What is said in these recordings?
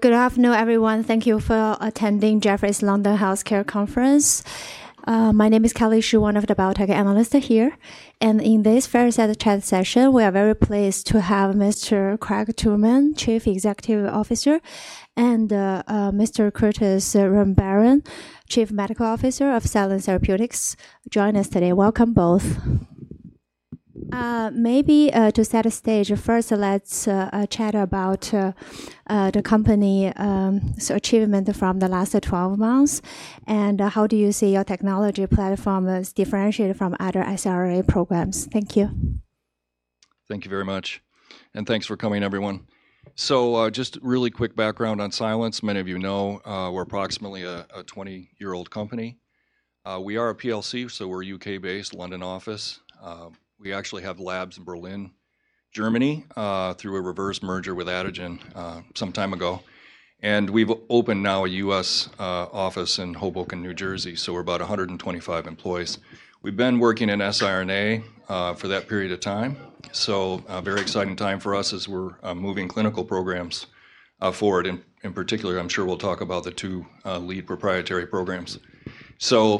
Good afternoon, everyone. Thank you for attending Jefferies London Healthcare Conference. My name is Kelly Shi, one of the biotech analysts here. In this fireside session, we are very pleased to have Mr. Craig Tooman, Chief Executive Officer, and Mr. Curtis Rambaran, Chief Medical Officer of Silence Therapeutics, join us today. Welcome both. Maybe to set the stage, first, let's chat about the company's achievement from the last 12 months and how do you see your technology platform as differentiated from other siRNA programs. Thank you. Thank you very much and thanks for coming, everyone so just really quick background on Silence. Many of you know we're approximately a 20-year-old company. We are a PLC, so we're U.K.-based, London office. We actually have labs in Berlin, Germany, through a reverse merger with Atugen some time ago. And we've opened now a U.S. office in Hoboken, New Jersey so we're about 125 employees. We've been working in siRNA for that period of time. So a very exciting time for us as we're moving clinical programs forward. In particular, I'm sure we'll talk about the two lead proprietary programs. So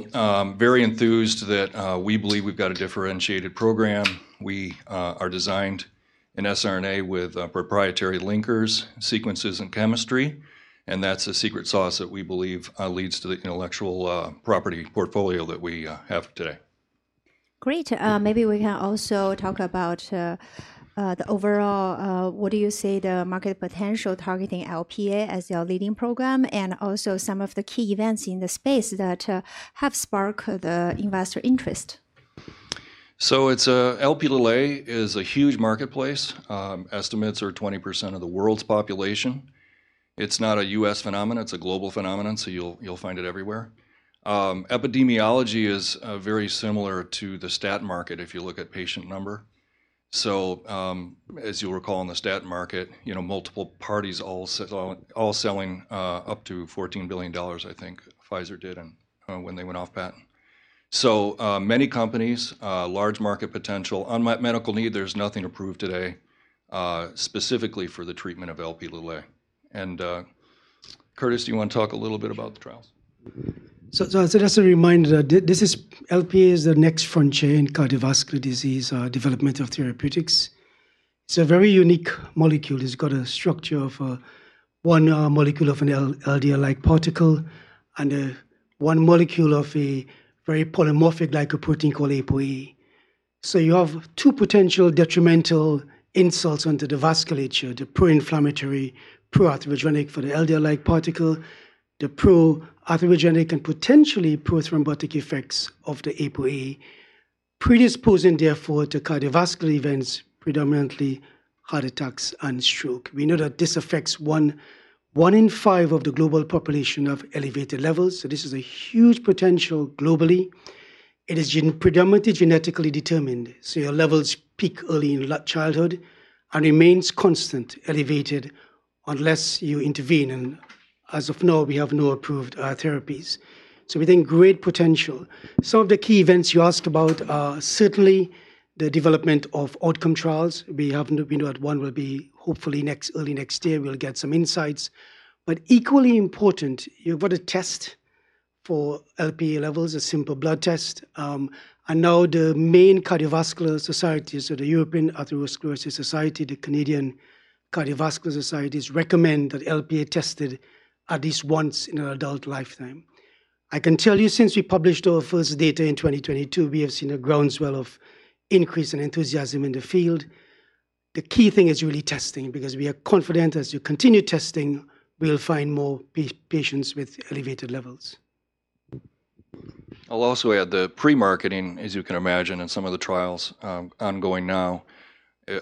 very enthused that we believe we've got a differentiated program. We are designed in siRNA with proprietary linkers, sequences, and chemistry. And that's the secret sauce that we believe leads to the intellectual property portfolio that we have today. Great, maybe we can also talk about the overall, what do you see the market potential targeting LPA as your leading program and also some of the key events in the space that have sparked the investor interest? Lp(a) is a huge marketplace estimates are 20% of the world's population it's not a U.S. phenomenon. It's a global phenomenon so you'll find it everywhere. Epidemiology is very similar to the statin market if you look at patient number. So as you'll recall in the statin market, multiple parties all selling up to $14 billion, I think Pfizer did when they went off patent. So many companies, large market potential. On medical need, there's nothing approved today specifically for the treatment of Lp(a) and Curtis, do you want to talk a little bit about the trials? So just a reminder, LPA is the next frontier in cardiovascular disease development of therapeutics it's a very unique molecule. It's got a structure of one molecule of an LDL-like particle and one molecule of a very polymorphic glycoprotein called APOE. So you have two potential detrimental insults onto the vasculature, the pro-inflammatory, pro-atherogenic for the LDL-like particle, the pro-atherogenic and potentially pro-thrombotic effects of the APOE, predisposing, therefore, to cardiovascular events, predominantly heart attacks and stroke. We know that this affects one in five of the global population of elevated levels. So this is a huge potential globally. It is predominantly genetically determined. So your levels peak early in childhood and remains constantly elevated unless you intervene. And as of now, we have no approved therapies. So we think great potential. Some of the key events you asked about are certainly the development of outcome trials. We have one will be hopefully early next year. We'll get some insights. But equally important, you've got to test for LPA levels, a simple blood test, and now the main cardiovascular societies, so the European Atherosclerosis Society, the Canadian Cardiovascular Society recommend that LPA tested at least once in an adult lifetime. I can tell you since we published our first data in 2022, we have seen a groundswell of increase in enthusiasm in the field. The key thing is really testing because we are confident as you continue testing, we'll find more patients with elevated levels. I'll also add the pre-marketing, as you can imagine, and some of the trials ongoing now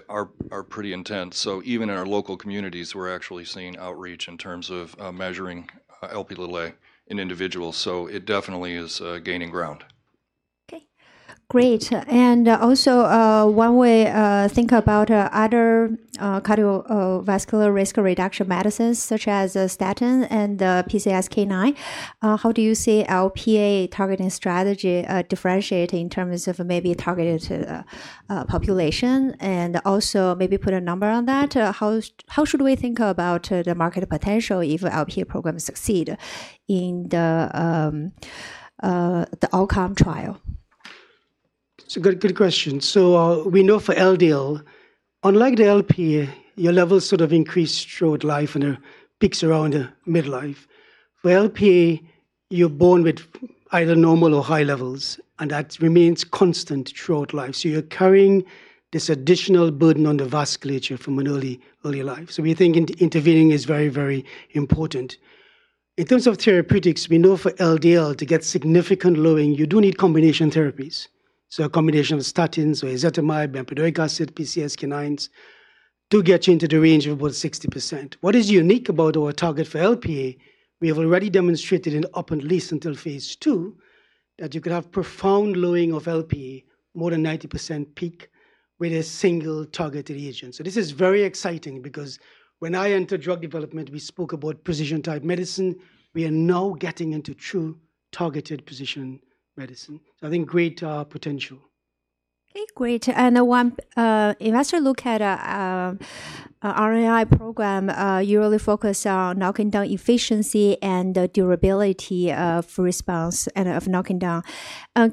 are pretty intense. So even in our local communities, we're actually seeing outreach in terms of measuring Lp(a) in individuals. So it definitely is gaining ground. Okay. Great. And also one way to think about other cardiovascular risk reduction medicines such as statin and PCSK9, how do you see LPA targeting strategy differentiating in terms of maybe targeted population? And also maybe put a number on that. How should we think about the market potential if LPA programs succeed in the outcome trial? It's a good question. So we know for LDL, unlike the Lp(a), your levels sort of increase throughout life and it peaks around midlife. For Lp(a), you're born with either normal or high levels, and that remains constant throughout life. So you're carrying this additional burden on the vasculature from an early life. So we think intervening is very, very important. In terms of therapeutics, we know for LDL, to get significant lowering, you do need combination therapies. So a combination of statins or ezetimibe, bempedoic acid, PCSK9's do get you into the range of about 60%. What is unique about our target for Lp(a), we have already demonstrated in phase 2 that you could have profound lowering of Lp(a), more than 90% peak with a single targeted agent. So this is very exciting because when I entered drug development, we spoke about precision-type medicine. We are now getting into true targeted precision medicine, so I think great potential. Okay, great. And one investor look at RNAi program, you really focus on knocking down efficiency and durability of response and of knocking down.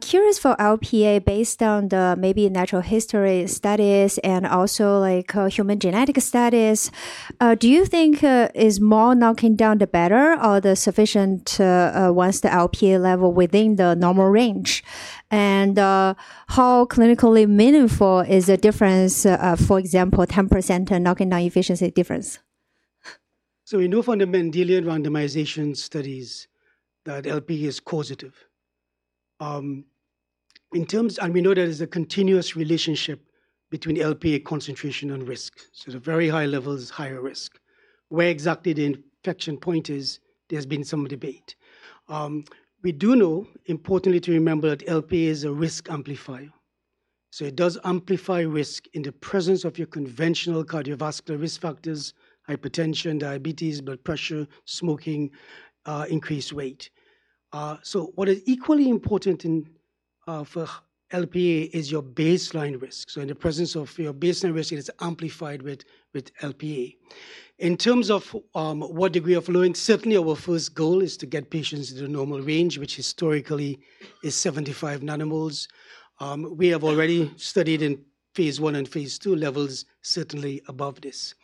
Curious for Lp(a) based on the maybe natural history studies and also human genetic studies, do you think is more knocking down the better or the sufficient once the Lp(a) level within the normal range? And how clinically meaningful is the difference, for example, 10% knocking down efficiency difference? We know from the Mendelian randomization studies that LPA is causative. We know there is a continuous relationship between LPA concentration and risk. The very high level is higher risk. Where exactly the inflection point is, there's been some debate. We do know, importantly to remember, that LPA is a risk amplifier. It does amplify risk in the presence of your conventional cardiovascular risk factors: hypertension, diabetes, blood pressure, smoking, increased weight. What is equally important for LPA is your baseline risk. In the presence of your baseline risk, it is amplified with LPA. In terms of what degree of lowering, certainly our first goal is to get patients to the normal range, which historically is 75 nanomoles. We have already studied in phase one and phase two levels, certainly above this.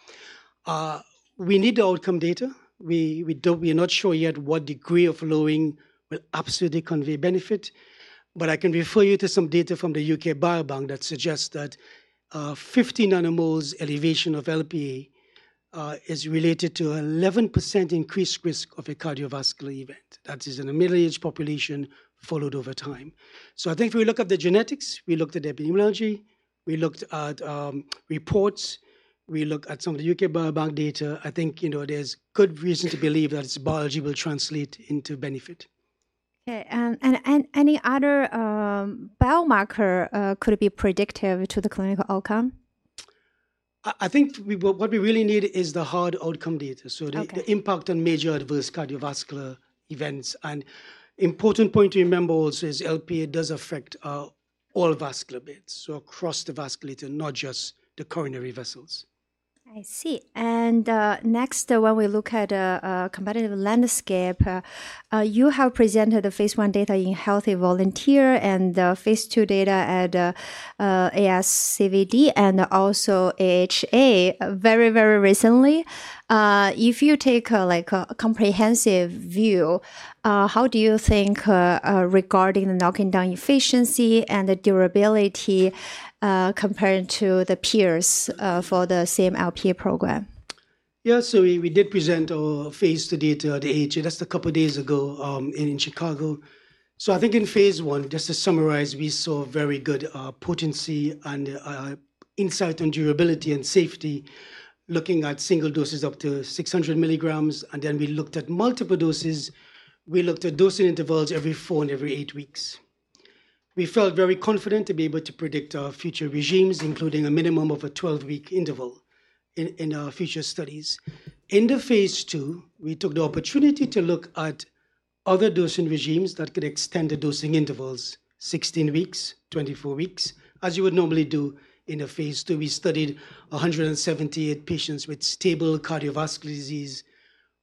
We need the outcome data. We are not sure yet what degree of lowering will absolutely convey benefit. But I can refer you to some data from the U.K. Biobank that suggests that 50 nanomoles elevation of Lp(a) is related to an 11% increased risk of a cardiovascular event. That is in a middle-aged population followed over time. So I think if we look at the genetics, we looked at the epidemiology, we looked at reports, we looked at some of the U.K. Biobank data, I think there's good reason to believe that its biology will translate into benefit. Okay. And any other biomarker could be predictive to the clinical outcome? I think what we really need is the hard outcome data, so the impact on major adverse cardiovascular events and important point to remember also is LPA does affect all vascular beds, so across the vasculature, not just the coronary vessels. I see. And next, when we look at a competitive landscape, you have presented the phase one data in healthy volunteer and the phase two data at ASCVD and also AHA very, very recently. If you take a comprehensive view, how do you think regarding the knocking down efficiency and the durability compared to the peers for the same LPA program? Yeah. So we did present our phase 2 data at AHA. That's a couple of days ago in Chicago. So I think in phase 1, just to summarize, we saw very good potency and insight on durability and safety looking at single doses up to 600 milligrams. And then we looked at multiple doses. We looked at dosing intervals every four and every eight weeks. We felt very confident to be able to predict our future regimens, including a minimum of a 12-week interval in our future studies. In the phase 2, we took the opportunity to look at other dosing regimens that could extend the dosing intervals, 16 weeks, 24 weeks, as you would normally do in a phase 2. We studied 178 patients with stable cardiovascular disease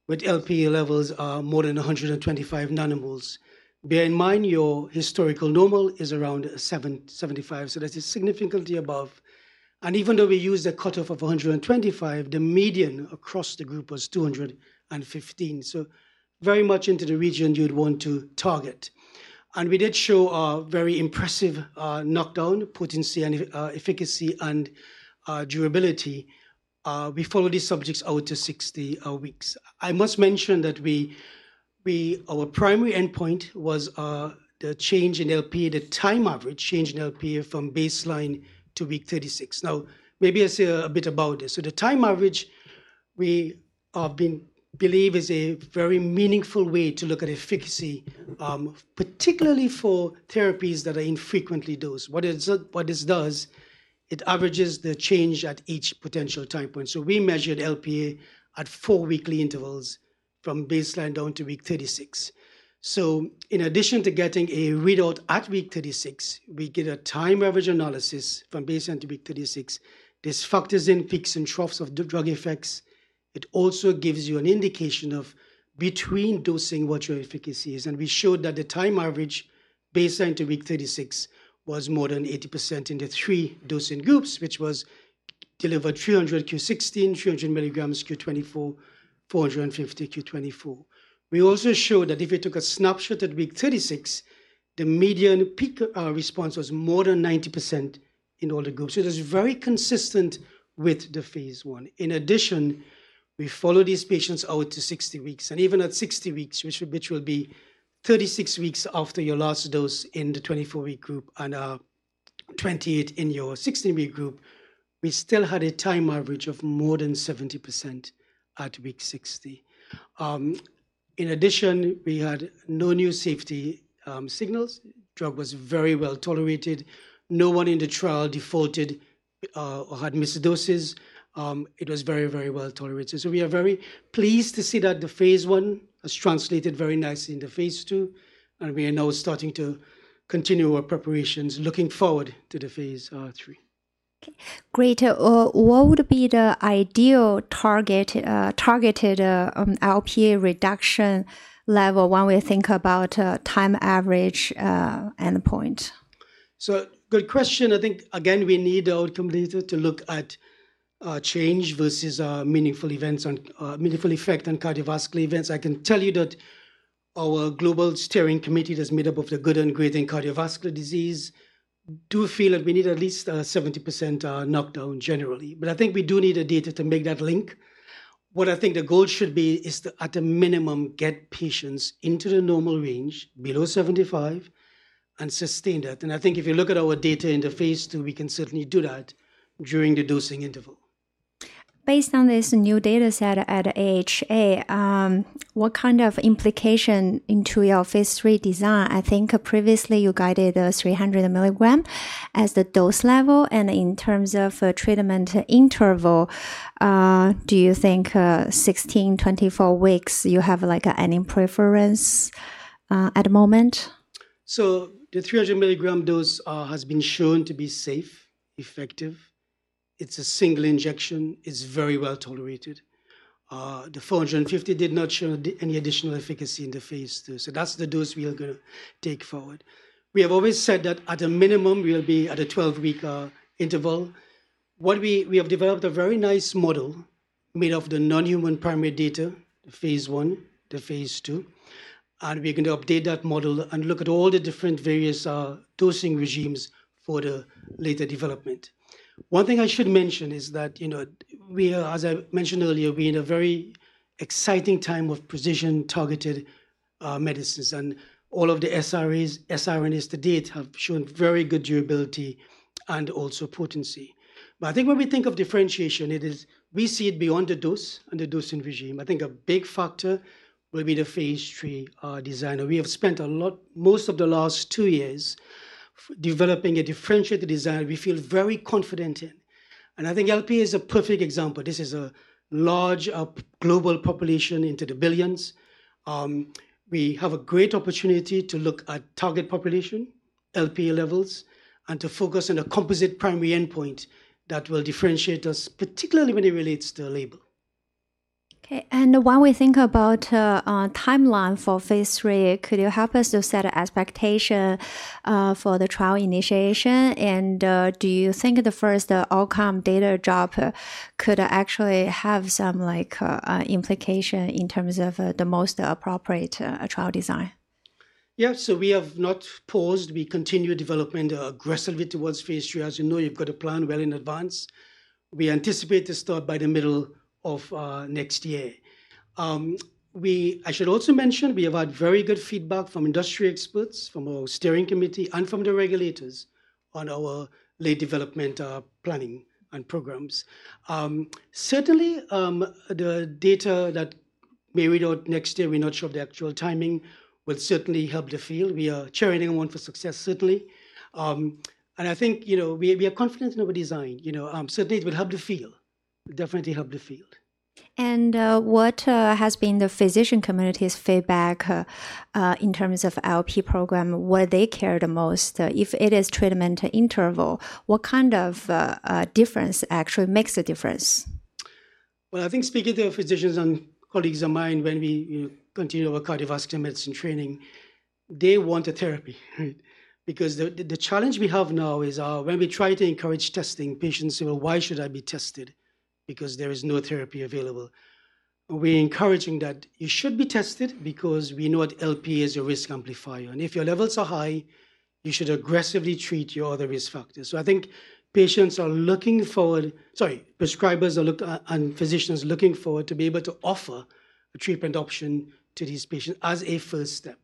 with LPA levels more than 125 nanomoles. Bear in mind your historical normal is around 75. So that is significantly above. Even though we used a cutoff of 125, the median across the group was 215. So very much into the region you'd want to target. We did show a very impressive knockdown, potency, and efficacy, and durability. We followed these subjects out to 60 weeks. I must mention that our primary endpoint was the change in Lp(a), the time average change in Lp(a) from baseline to week 36. Now, maybe I'll say a bit about this. The time average we believe is a very meaningful way to look at efficacy, particularly for therapies that are infrequently dosed. What this does, it averages the change at each potential time point. We measured Lp(a) at four weekly intervals from baseline down to week 36. In addition to getting a readout at week 36, we get a time average analysis from baseline to week 36. This factors in peaks and troughs of drug effects. It also gives you an indication of between dosing what your efficacy is, and we showed that the time average baseline to week 36 was more than 80% in the three dosing groups, which was delivered 300 q16, 300 milligrams q24, 450 q24. We also showed that if we took a snapshot at week 36, the median peak response was more than 90% in all the groups, so it was very consistent with the phase one. In addition, we followed these patients out to 60 weeks, and even at 60 weeks, which will be 36 weeks after your last dose in the 24-week group and 28 in your 16-week group, we still had a time average of more than 70% at week 60. In addition, we had no new safety signals drug was very well tolerated. No one in the trial defaulted or had missed doses it was very, very well tolerated. So we are very pleased to see that the phase one has translated very nicely into phase two and we are now starting to continue our preparations looking forward to the phase three. Okay. Great. What would be the ideal targeted LPA reduction level when we think about time average endpoint? So, good question. I think, again, we need our community to look at change versus meaningful effect on cardiovascular events. I can tell you that our global steering committee that's made up of the good and great in cardiovascular disease do feel that we need at least a 70% knockdown generally. But I think we do need a data to make that link. What I think the goal should be is to, at a minimum, get patients into the normal range below 75 and sustain that and I think if you look at our data in the phase 2, we can certainly do that during the dosing interval. Based on this new data set at AHA, what kind of implication into your phase 3 design? I think previously you guided 300 milligrams as the dose level. And in terms of treatment interval, do you think 16, 24 weeks, you have any preference at the moment? The 300-milligram dose has been shown to be safe, effective. It's a single injection. It's very well tolerated. The 450 did not show any additional efficacy in the phase 2. That's the dose we are going to take forward. We have always said that at a minimum, we'll be at a 12-week interval. We have developed a very nice model made of the nonhuman primate data, the phase 1, the phase 2. We're going to update that model and look at all the different various dosing regimens for the later development. One thing I should mention is that, as I mentioned earlier, we're in a very exciting time of precision-targeted medicines. All of the siRNAs to date have shown very good durability and also potency. But I think when we think of differentiation, it is we see it beyond the dose and the dosing regimen. I think a big factor will be the phase three design. We have spent a lot, most of the last two years, developing a differentiated design we feel very confident in. And I think Lp(a) is a perfect example. This is a large global population into the billions. We have a great opportunity to look at target population, Lp(a) levels, and to focus on a composite primary endpoint that will differentiate us, particularly when it relates to the label. Okay, and when we think about timeline for phase three, could you help us to set an expectation for the trial initiation? And do you think the first outcome data drop could actually have some implication in terms of the most appropriate trial design? Yeah, so we have not paused we continue development aggressively towards phase three. As you know, you've got a plan well in advance. We anticipate to start by the middle of next year. I should also mention we have had very good feedback from industry experts, from our steering committee, and from the regulators on our late development planning and programs. Certainly, the data that may read out next year, we're not sure of the actual timing, will certainly help the field. We are cheering everyone for success, certainly, and I think we are confident in our design. Certainly, it will help the field it will definitely help the field. What has been the physician community's feedback in terms of Lp(a) program? What do they care the most? If it is treatment interval, what kind of difference actually makes a difference? I think speaking to physicians and colleagues of mine, when we continue our cardiovascular medicine training, they want a therapy. Because the challenge we have now is when we try to encourage testing patients, why should I be tested? Because there is no therapy available. We're encouraging that you should be tested because we know that LPA is a risk amplifier. And if your levels are high, you should aggressively treat your other risk factors. So I think patients are looking forward, sorry, prescribers and physicians are looking forward to be able to offer a treatment option to these patients as a first step.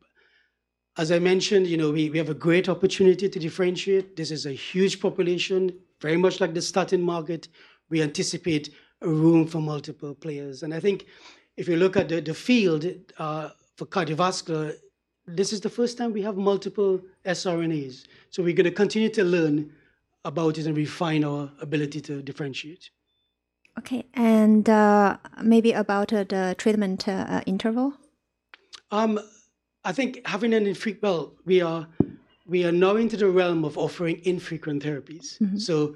As I mentioned, we have a great opportunity to differentiate. This is a huge population, very much like the statin market we anticipate a room for multiple players. I think if you look at the field for cardiovascular, this is the first time we have multiple siRNAs, so we're going to continue to learn about it and refine our ability to differentiate. Okay, and maybe about the treatment interval? I think having an infrequent, well, we are now into the realm of offering infrequent therapies. So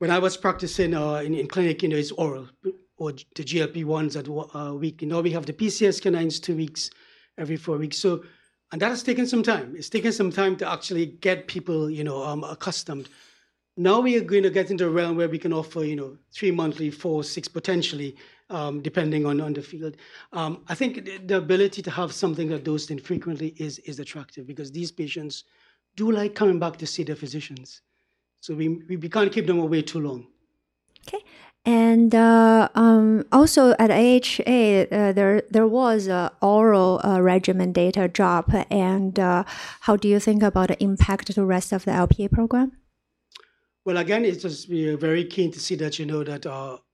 when I was practicing in clinic, it's oral or the GLP-1s at week. Now we have the PCSK9s two weeks, every four weeks. And that has taken some time. It's taken some time to actually get people accustomed. Now we are going to get into a realm where we can offer three monthly, four, six, potentially, depending on the field. I think the ability to have something that dosed infrequently is attractive because these patients do like coming back to see their physicians. So we can't keep them away too long. Okay. And also at AHA, there was an oral regimen data drop. And how do you think about the impact to the rest of the LPA program? Again, it's just we are very keen to see that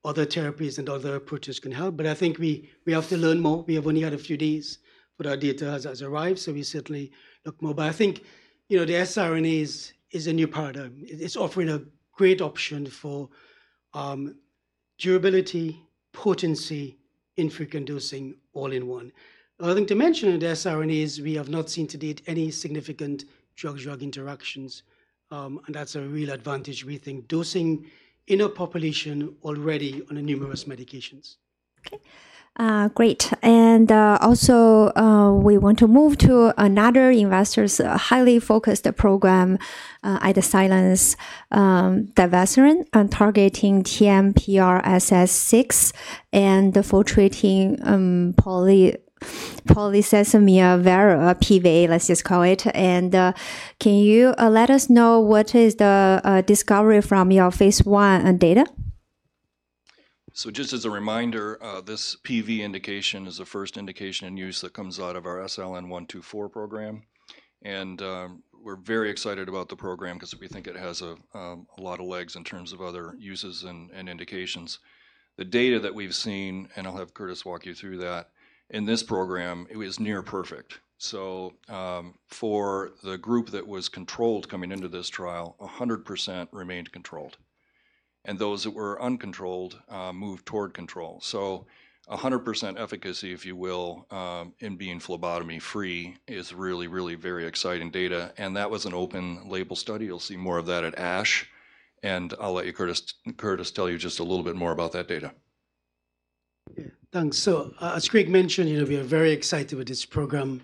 other therapies and other approaches can help. But I think we have to learn more. We have only had a few days for that data has arrived. So we certainly look more. But I think the SRN is a new paradigm. It's offering a great option for durability, potency, infrequent dosing, all in one. Another thing to mention in the SRN is we have not seen to date any significant drug-drug interactions. And that's a real advantage. We think dosing in a population already on numerous medications. Okay. Great, and also we want to move to another investor's highly focused program at Silence Therapeutics one targeting TMPRSS6 for treating polycythemia vera, PV, let's just call it. Can you let us know what is the discovery from your phase one data? Just as a reminder, this PV indication is the first indication in use that comes out of our SLN124 program. We're very excited about the program because we think it has a lot of legs in terms of other uses and indications. The data that we've seen, and I'll have Curtis walk you through that, in this program, it was near perfect. For the group that was controlled coming into this trial, 100% remained controlled. Those that were uncontrolled moved toward control. 100% efficacy, if you will, in being phlebotomy-free is really, really very exciting data. That was an open-label study. You'll see more of that at ASH. I'll let you, Curtis, tell you just a little bit more about that data. Thanks, so as Craig mentioned, we are very excited with this program,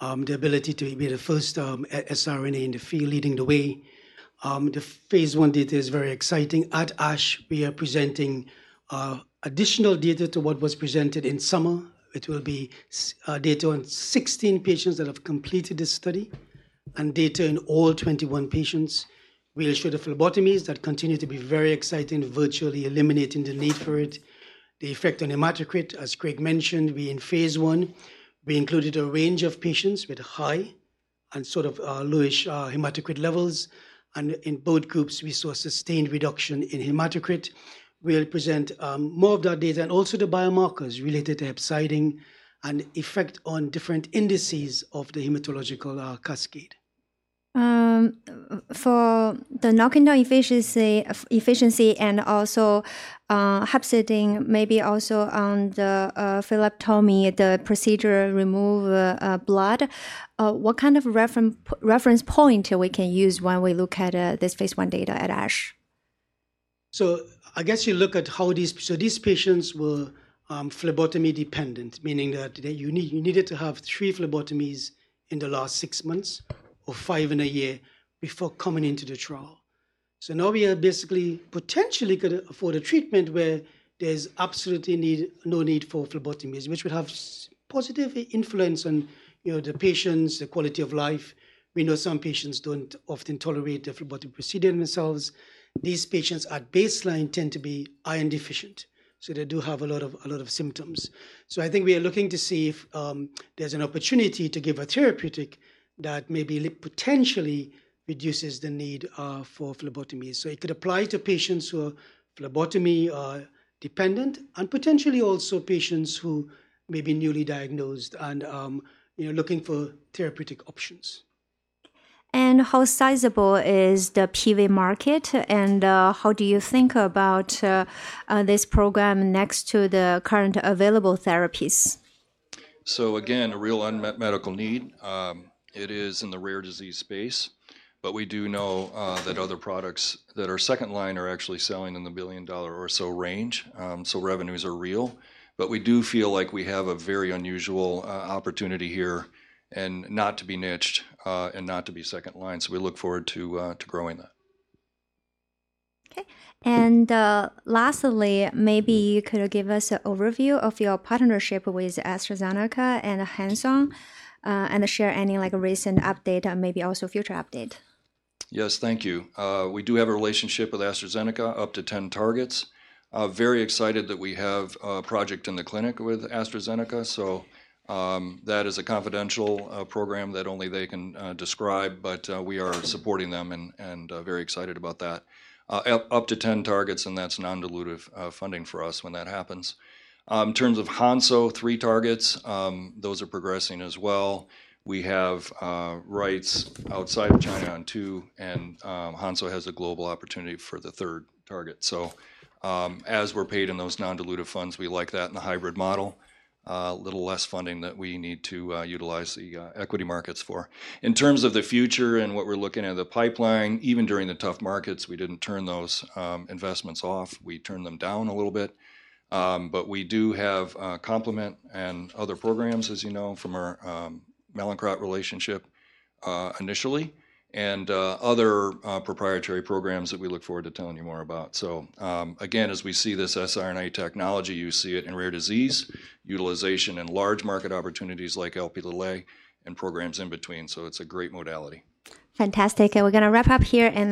the ability to be the first SRN in the field leading the way. The phase one data is very exciting. At ASH, we are presenting additional data to what was presented in summer. It will be data on 16 patients that have completed this study and data in all 21 patients. The phlebotomy data continues to be very exciting, virtually eliminating the need for it. The effect on hematocrit, as Craig mentioned, in phase one, we included a range of patients with high and sort of lowish hematocrit levels, and in both groups, we saw sustained reduction in hematocrit. We'll present more of that data and also the biomarkers related to hepcidin and effect on different indices of the hematological cascade. For the knockdown efficiency and also hepcidin, maybe also on the phlebotomy, the procedure remove blood, what kind of reference point we can use when we look at this phase one data at ASH? So, I guess you look at how these patients were phlebotomy dependent, meaning that you needed to have three phlebotomies in the last six months or five in a year before coming into the trial. So now we are basically potentially going to afford a treatment where there's absolutely no need for phlebotomies, which would have positive influence on the patients, the quality of life. We know some patients don't often tolerate the phlebotomy procedure themselves. These patients at baseline tend to be iron deficient. So they do have a lot of symptoms. So I think we are looking to see if there's an opportunity to give a therapeutic that maybe potentially reduces the need for phlebotomies. So it could apply to patients who are phlebotomy dependent and potentially also patients who may be newly diagnosed and looking for therapeutic options. How sizable is the PV market? How do you think about this program next to the current available therapies? So again, a real unmet medical need. It is in the rare disease space. But we do know that other products that are second line are actually selling in the billion-dollar or so range. So revenues are real. But we do feel like we have a very unusual opportunity here and not to be niched and not to be second line. So we look forward to growing that. Okay. And lastly, maybe you could give us an overview of your partnership with AstraZeneca and Hansoh and share any recent update and maybe also future update? Yes, thank you. We do have a relationship with AstraZeneca, up to 10 targets. Very excited that we have a project in the clinic with AstraZeneca. So that is a confidential program that only they can describe. But we are supporting them and very excited about that. Up to 10 targets, and that's non-dilutive funding for us when that happens. In terms of Hansoh, three targets, those are progressing as well. We have rights outside of China on two. And Hansoh has a global opportunity for the third target so as we're paid in those non-dilutive funds, we like that in the hybrid model, a little less funding that we need to utilize the equity markets for. In terms of the future and what we're looking at the pipeline, even during the tough markets, we didn't turn those investments off we turned them down a little bit. But we do have complement and other programs, as you know, from our Mallinckrodt relationship initially and other proprietary programs that we look forward to telling you more about. So again, as we see this siRNA technology, you see it in rare disease utilization and large market opportunities like Lp(a) and programs in between so it's a great modality. Fantastic, we're going to wrap up here and.